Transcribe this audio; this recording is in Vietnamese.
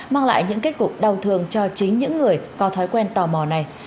mang lại những kết cục đau thương cho chính những người có thói quen tò mò này